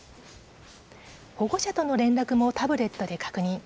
保護者との連絡もタブレットで確認。